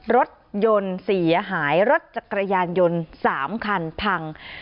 รถยนต์เสียหายรถจักรยานยนต์๓คันพัง